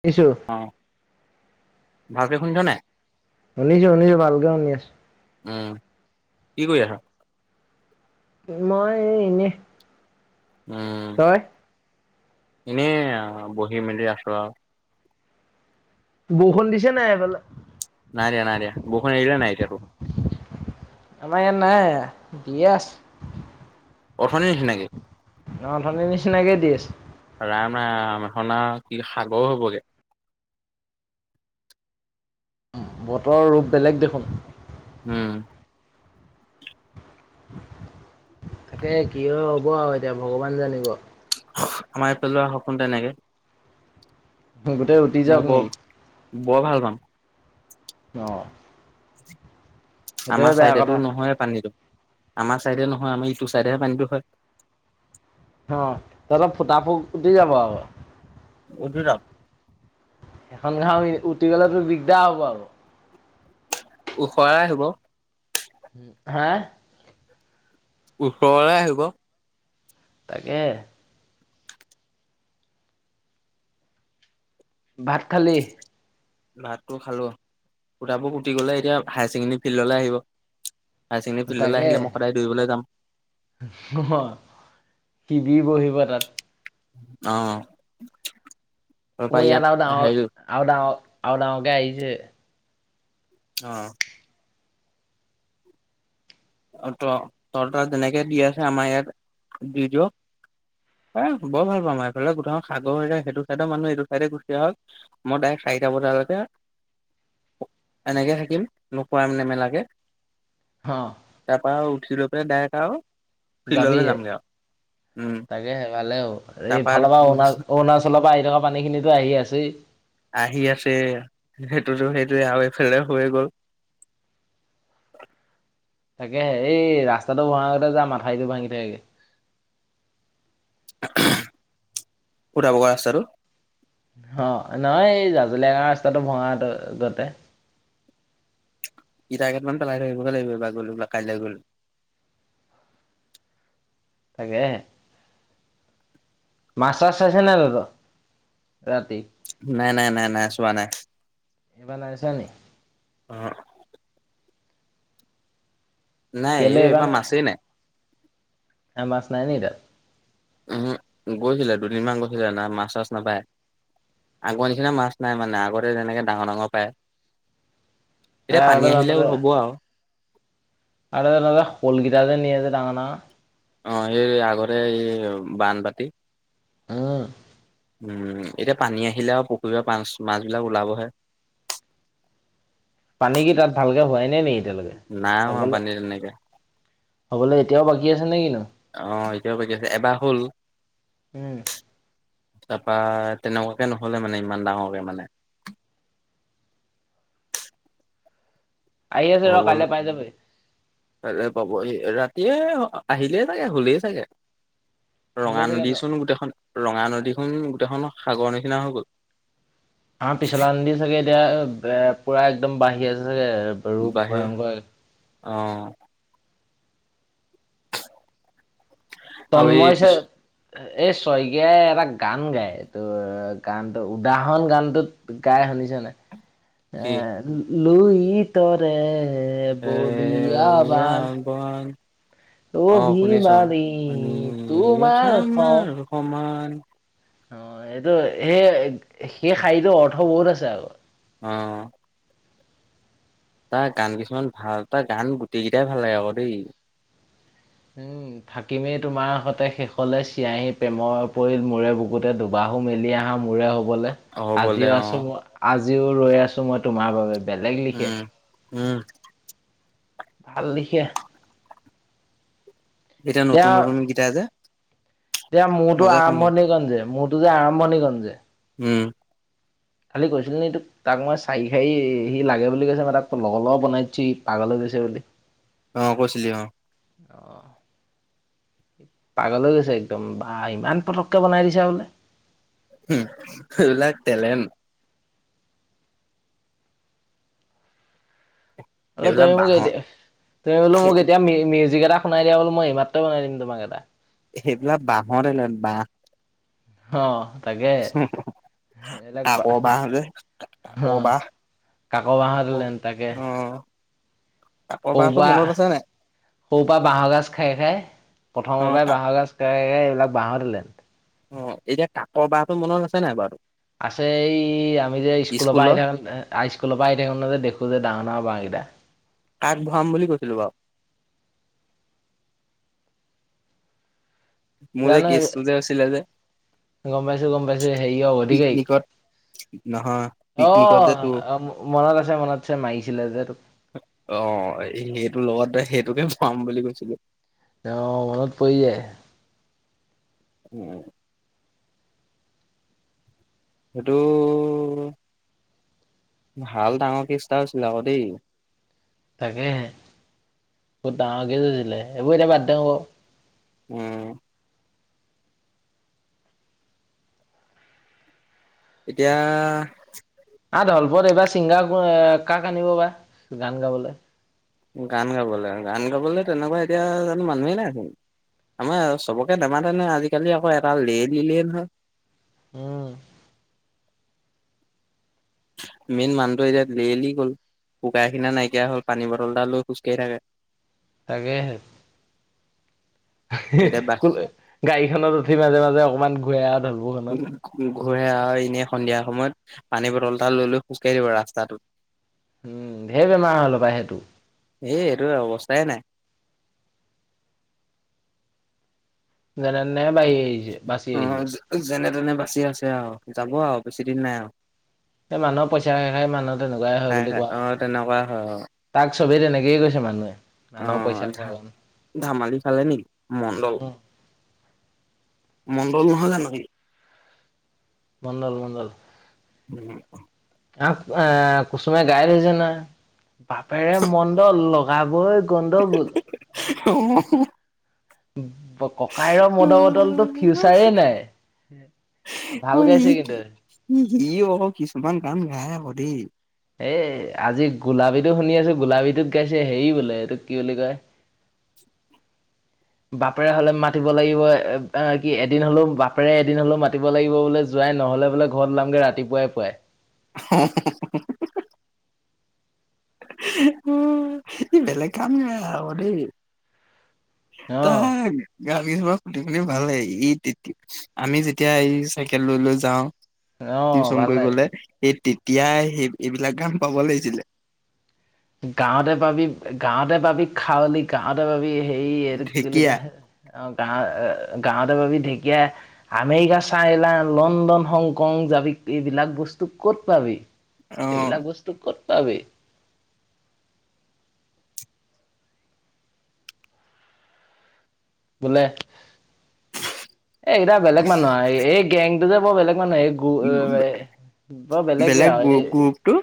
সোনিছো। অ ভালকে শুন'ছ নাই? শুনিছোঁ শুনিছোঁ ভালকে শুনি আছো উম কি কৰি আছা। মই এনেই উম তই? এনেই বহি মেলি আছো আৰু। বৰষুণ দিছে নাই এইফালে? নইদিয়া নইদিয়া বৰষোন এৰিলে নাই এতিয়াটো ইয়ে আছে। অঠনিৰ নিচিনা নিকি। ওটনি নিচিনাকে দি আছে। ৰাম ৰাম এই খন আৰু কি সাগৰ হবগে বতৰৰ ৰূপ বেলেগ দেখোন উম। তাকে কি হয় হ'ব আও এতিয়া ভগৱান জানিব। আমাৰ ইফালে সপোন এনেকে- গোটেই উঠি যাওক নেকি? বৰ ভাল পাম। আহ আমাৰ চাইডতটো নহয় পানীটো আমাৰ চাইডে নহয় আমাৰ ইটো চাইডেহে পানীটো হয়। অ ত ফুটা ফু উটি যাব আ উদৰা সেইখন ঘাঁও উঠি গলেতো দিগদাৰ হব আৰু- ওখৰাই হ'ব- হা ওচৰলে আহিব। তাকে। ভাত খালি। ভাতটো খালো সুটাবোৰ সুটি গ'লে এতিয়া হায়াৰ ছেকেণ্ডৰী ফিল্ডলৈ আহিব। হায়াৰ ছেণ্ডৰী ফিল্ডলৈ তাকে আহিলে ম সদায় দবলৈ যাম অ কিবিৰ বহিব তাত আহ মই এদ আদা আদাকে আহিছে। অ অ ত চ যেনেকে দি আছে আমাৰ ইয়াত দি দ এ বৰ ভাল পামওঁ মাৰ এইফালে গোটটা সাগৰ হৈ যায় সেইটো চাইডৰ মানুহ এইটো চাইে গুচ আহক মই ডাইৰে্ক। চাৰিটা বজালৈকে এনেকৈ থাকিম নোখোৱম নেমেলাকৈ। হা। তাৰ পৰাা আৰু উঠি লৈ পেলাই ডাইৰেক্ট আৰু ফিল্ডলৈ যামগৈ আৰু উম। ফালে তাৰপা এইফালৰ পৰা অৰুণ অৰুণাচলৰ পৰা আহি থকা পানী খিনি আহি আছেই। আহি আছে সেইটোতো সেইটোয়ে আৰু এফালে হৈ গ'ল [inaudible] তাকে এই ৰাস্তাটো ভৰাা আগতে যাম মাথাউটো ভাঙি থাকেগে সুধা বগ ৰাস্তাটো অ নহয় এই জাজুলীয়াকা ৰাস্তাটো ভঙাটো গতে [inaudible] জেগট মান পলাই থাকিবগৈ লাগিব বা গ'ললাক কাইলৈ গ'ল তাকে মাছ-চছ চাইছে নাই তত ৰাতি? নাই নাই নাই নাই আ ছোৱা নাই এইবাৰ নাইছা নি অ নাই, এই এইবাৰ মাছেই নাই। এ মাছ নাই ন তাত উম গৈছিলে দুদিনমান গৈছিলে না মাছ চাছ নাপায় আগৰ নিচিনা মাছ নাই মানে আগতে যেনেকে ডাঙৰ ডাঙৰ পায় এ এতিয়া পানী আগতে আহিলে তহঁতৰ হ'ব আৰু আৰু শলগেইটে নিয়জ তাঙ না অ এই আগৰে এই বানপতি। আহ। উম এতিয়া পানী আহিলে আৰু পুখুৰী মাছ মাছবলাক ওলাবহে পানী কি তাত ভালকে হোৱাই নে নে এতিয়ালৈকে নাই হোৱা হ'বলৈ পানী তেনেকে হ'বলৈ এতিয়াও বাকী আছে নে কিনো ক ব কি আছে এবাৰ হ'ল উম তাৰাপা তেনেকুৱাকে নহলে মানে ইমান ডাঙৰকে মানে। [inaudible] আহি আছে ৰ কাইলৈ হবলো পাই যাবি। তলে পাব ৰা এতি আহিলে চাগে হুলে চাগে ৰঙা হ'লে চাগে নদীচোন গোটেইখন ৰঙা নদীখনোন গোটেইখন সাগৰ নিচিনা হৈ গ'ল। হ পিছলা নিদি চাগে এতিয়া এ পুৰা একদম বাঢ়ি আছে চাগে ৰূপ ভয়ংকৰ আহ আৰু এই তন্ময় হৈছে। পিছ এই শইকীয়াই এটা গান গায় এই তটো গানটো উদাহৰণ গানটোত গাই শুনিছ নে এ কি লুই তৰে হ এ বল আ বান ইয়াৰ বন অ শুনিছো অভিমানী তোমাৰ স খামাৰ সমান অ এইটো সেই সেই শাৰীটো অৰ্থ বহুত আছে আ অ তাৰ গান কিছুমান ভাল তাৰ গান গোটেই কেইটাই ভাল লাগে আকৌ দেই। উম থাকিমেই তোমাৰ সতে শেষলে চিঞাঁহী প্ৰেমৰ পৰিল মূৰে বুকুতে দুবাহ আহো মেলি আহা মোৰে হবলৈ হ'বলে আজিও অ আছো, মই আজিও ৰৈ আছো মই তোমাৰ বাবে। বেলেগ লিখে উম উম। ভাল লিখে এটা এতিয়া নতুন নতুন গিটা আছে। এতিয়া মোৰতো আৰম্ভণি কণ যে মূৰো যে আৰম্ভণি কণ যে উম খালি কৈছিল ন তোক তাক মই চাৰি খাৰ সি লাগে বুলি কৈছে মই তাক তোক লগৰ লগৰ বাই দিছো পাগলৈ ছে বুলি অ কৈছিলি অ অঁ পাগলৈ গৈছে একদম বা ইমান পটককে বনাই দিছা বোলে উম সেই বিলাক তেলেন্ত। অলে সেইবিলাক তুমি মোক বাঁহৰ এতিয়া তুমি বোলো মোক এতিয়া ম। যিকেইটাুনাই দা'ল মই সমাত্ৰ বনাই দিম তোমাক এটা। সেইবিলাক বাহৰে ল বাহ। অহ। কাক বাহ যে কাক অ', বাহ। কাক আ' বাঁহৰ অহ দলেন তাকে কাক সৰু বাহতটো পৰা মনত আছে নে? সৰু পৰা বাঁহৰ গাজ খাই, খাই অ প্ৰথমৰ পৰাই কাক বাঁহৰ গাজ খ এইবিলাক বাঁহৰ দিলে। অ এতিয়া কাকৰ বাহটো মনত আছে নাই বাৰু। আছে এই আমি যে স্কুলৰ পৰা আহি থাকো স্কুলৰ পৰা আহি থাকো ন যে দেখো যে ডাঙৰ ডাঙৰ বাঁহকেইটা। আগ ভৰাম বুলি কৈছিলো বাও। মোৰ জানো কেস্ততে আছিলে যে। গম পাইছো, গম পাইছো হেৰি হ গতিকেই। পিকনিকত নহয় অ পিকনিকত যে তোৰ আহ মনত আছে মনতছে মাৰিছিলে যে তোক। অ সেইটো লগতে সেইটোকে পাম বুলি কৈছিলো। অ মনত পৰি যায়। উম। সেইটো। ভাল ডাঙৰ কেষ্টটা হৈছিল আকৌ দেই। তাকে ব ডাঙৰ কেছিলে এইবোৰ এতিয়া বাদ দ হব। উম। এতিয়া আ অলপত এইবাৰ ছিংগাৰ কাক আনিব বা গান গাবলৈ। গান গাবলৈ গান গাবলে তেনেকুৱা এতিয়া জানো মানুহেই নাইছো। আমাৰ চবকে নেমাতে নহয় আজিকালি আকৌ এটা লে লিলে নহয়। উম। মেইন মানুহটো এতিয়া লেলি গ'ল। শুকাই খিনাই নাইকিয়া হল পানী বটল এটা লৈ খোজকাঢ়ি থাকে। তাকে। এতিয়া বাছ গাড়ীখনত উঠি মাজে মাজে অকনমান ঘূৱে আও থলো। ঘূ ঘূৰে আও এনেই সন-। সন্ধিয়া সময়ত পানী বটল এটা লৈ লৈ খোজকাঢ়ি ৰাস্তাটো। উম ঢেৰ বেমাৰ হল পায় সেইটো। এই এইটো অৱস্থাই নাই। যেনেতেনেহে বাই আহিছে বাচি অ আহিছে। যেনে তেনে বাচি আছে আও যাব আও বেছি দিন নাই আও। সেই মানুহৰ পইচা খষাই মানুহ তেনেকুৱাই হয় খাই বুলি খাই কোৱা অ তেনেকুৱা হয় তাক। চবেই তেনেকেই কৈছে মানুহে। মানুহৰ আহ পইচা খোৱা ধা কাৰণে ধেমালি খালে নেকি মণ্ডল। উম মণ্ডল নহয় জানো সি। মন্দল মন্দল। উম। আহ এ কুচুমে গাই ধৈছে না বাপেৰে মন্দ লগাবই। গণ্ডগোল। উ হু। ককাইৰ মদ বটলতো ফিউচাৰে নাই। অ ভাল ই গাইছে কিন্তু ই সি আক কিছুমান গান গাই আকৌ দেই। এই আজি গোলাবীটো শুনি আছো গোলাবীটোত গাইছে হেৰি বোলে এইটোক কি বুলি কয়। [unintelligible] বাপেৰে হলে মাতিব লাগিব এ কি এদিন হলেও বাপেৰে এদিন হলেও মাতিব লাগিব বোলে যোৱা। নাই নহ'লে বোলে ঘৰত ওলামগে ৰাতিপুৱাই পুৱাই হ [unintelligible] ই বেলেগ কাম নাই আৰু দেই। অহ তাক গা [unintelligible] [unintelligible] ভালেই ই তেতিয়া, আমি যেতিয়া এই চাইকেল লৈ লৈ যাওঁ অহ টিউচন ভাল লাগে কৰিবলে, সেই তেতিয়াই সেই এইবিলাক গান পাব লাগিছিলে। গাঁৱতে পাবি, গাঁৱতে পাবি খাৱলি, গাঁৱতে পাবি হেৰি এইটোক কি বুলি ঢেকীয়া কয় অ', গাঁও অ গাঁৱতে পাবি ঢেকীয়া আমেৰিকা, চাইনা, লণ্ডন, হংকং যাবি এইবিলাক বস্তু ক'ত পাবি? অ' এইবিলাক বস্তু ক'ত পাব? বোলে। এ এইকেইটা বেলেগ মানুহ আৰ, এ-এই গেংটো যে বৰ বেলেগ মানে এই গ এ, বৰ বেলেগে বেলেগ আও গ্ৰু এই গ্ৰুপটো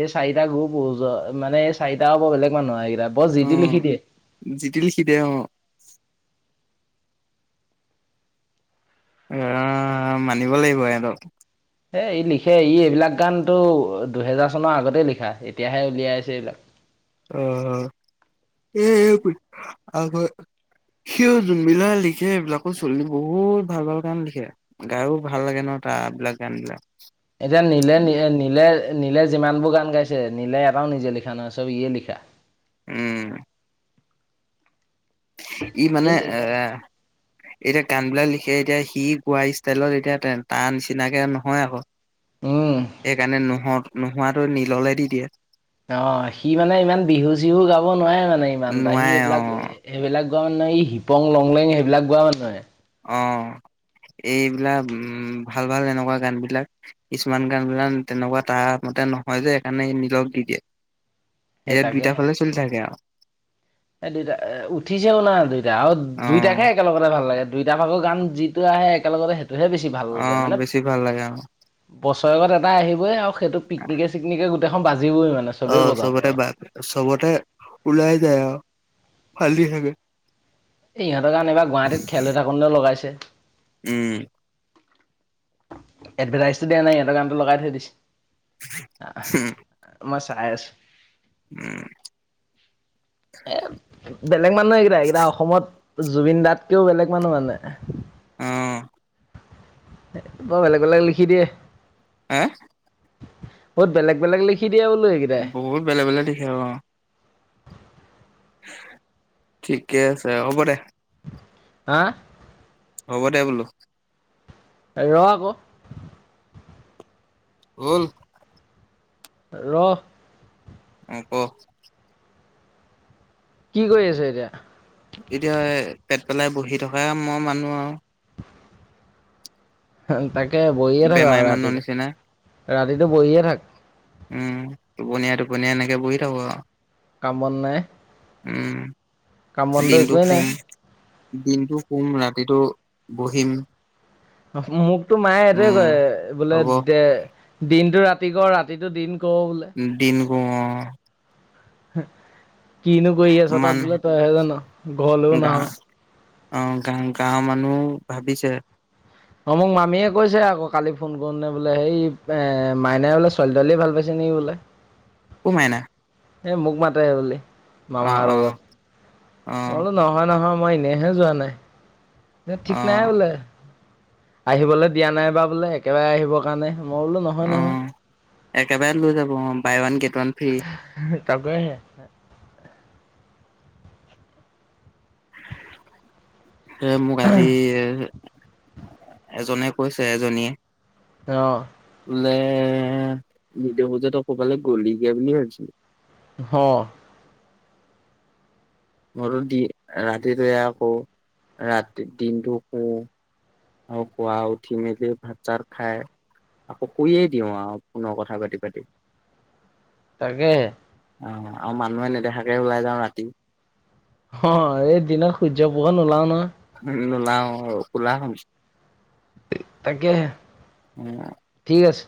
এই চাৰিটা গ্ৰুপ উ জ, মানে এই চাৰিটাও বৰ বেলেগ মানুহ আহ ব যিটি অ' লিখি দিয়ে। জিতিল সিদে অ' আহ, মানিব লাগিব এহঁতক। এ ই লিখে, ই এইবিলাক গানতো দুহেজাৰ চনৰ আগতে লিখা এতিয়াহে উলিয়াইছে এইবিলাক। অ' অ', এ আ সিও জোনবিলা লিখে এইবিলাকো চলিব, বহুত ভাল ভাল গান লিখে গায়ো ভাল লাগে নহ- তা বিলাক গান বিলাক এতিয়া নীলে নী নীলে নীলে যিমানবোৰ গান গাইছে, নীলে এটাও নিজে লিখা নহয় চব ইয়ে লিখা। উম। ই এই মানে এ, লিখে এতিয়া গান বিলাক লিখ কে এতিয়া সি গোৱা ষ্টাইলত এতিয়া তেন তাৰ নিচিনাকে নহয় আকৌ। উম। সেইকাৰণে নোহো-নোহোৱাটো নীললে দি দিয়ে। অ', সি মানে ইমান বিহু-চিহু গাব নোৱাৰে মানে ইমান টা, সি নোৱাৰে এইবিলাক অ' সেইবিলাক গোৱা মানে এই হিপং লংলেং সেইবিলাক গোৱা মানুহে। অ'। এইবিলাক উম, ভাল ভাল এনেকুৱা গান বিলাক কিছুমান গান বিলা তেনেকুৱা তাৰ ম তে নহয় যে এইকাৰণে নীলক দি দিয়ে, সেই এইয়া দুইটা তাকে। ফালে চলি থাকে আও। এ দুইতটা অ উঠিছেও না দুইতটা, আও অ দুইটাকে একেলগতে ভাল লাগে দুইটা ভাগৰ গান যিটো আহে একেলগতে সেইটোহে বেছি ভাল অ লাগে মানে, বেছি ভাল লাগে আৰু বচ গত এটা আহিবই আও, সেইটো পিকনিকে চিকনিকে গোটেইখন বাজ অ', চবতে বা চবতে ওলাই যায় আও। ফালি থাকে এ ইহঁতৰ গান এইবাৰ গুৱাহাটীত খেল হৈ থাকনটো লগাইছে। উম। এডভাৰটাইচটো দিয়া নাই ইহঁতৰ গানটো লগাই থৈ দিছে। আহ মই চাই আছো উম এ বেলেগ মানুহ এইকেইটাই, এইকেইটা অসমত জুবিন দাতকেও বেলেগ মানুহ মানে। অ এ বৰ বেলেগ বেলেগ লিখি দিয়ে। হে? বহুত বেলেগ বেলেগ লিখি দিয়ে বোলো এইকেইটাই বহুত বেলেগ বেলেগ লিখে, অ'। ঠিকে আছে, হ'ব দে। হা? হ'ব দে বোলো। ৰ' আকৌ। উল ৰ অ ক কি কৰি আছ এতিয়া এতিয়া পেট পেলাই বহি থকা মই মানুহ আও হ তাকে বহিয়ে থাক আৰু বেমাৰী ৰাতি মানুহৰ নিচিনা ৰাতিটো বহিয়ে থাক উম টোপনীয়াই টোপনীয়াই এনেকে বহি থাকো আও কাম বন নাই উম কাম বনটো দিনটো একোৱেই নাই শুম দিনটো শুম ৰাতিটো বহিম মোকতো মায়ে এইটোয়ে উম কয় বোলে হ'ব দে দিনটো ৰাতি কৰ ৰাতিটো দিন কৱ বোলে উ অ কিনো কৰি আছ তাত মান বোলে তইহে জান ঘলেও গা নাহ অ গা গাঁৱৰ মানুহ ভাবিছে অ মোক মামীয়ে কৈছে আকৌ কালি ফোন কৰোতে বোলে সেই এ মাইনাই বোলে ছোৱালী তোৱালী ভাল পাইছে নি বোলে অ মাইনা এ মোক মাতেহ বুলি মামাহেত অ ঘত অ বোলো নহয় নহয় মই এনেহে যোৱা নাই ঠিক অ নাই বোলে আহিবলৈ দিয়া নাই বা বোলে একেবাৰে আহিবৰ কাৰণে মই বোলো নহয় নহয় অ' একেবাৰে লৈ যাব অ buy one get one free তাকে হে। এ'মোক আজি এজনে কৈছে, এজনীয়ে। অ। বোলে ভিদিঅ বোৰ যে তই ক'বালে গ'লিগে বুলি ভাবিছিলো হ মইতো দি ৰাতি তৈয়া কৰো ৰাতি দিনটো শুও আৰু পোৱা উঠি মেলি ভাত চাত খাই আকৌ কৈয়ে দিওঁ আও পোনৰ কথা পাতি পাতি তাকেহে অ'আৰু মানুহে নেদেখাকে ওলাই যাওঁ ৰাতি। অ এই দিনত সূৰ্য পোহৰ নোলাও নহয় নোলাও অ কোলা হম চো তাকেহে ঠিক আছে